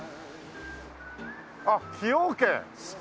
あっ「崎陽軒」！